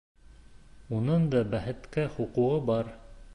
Уның да бәхеткә хоҡуғы бар.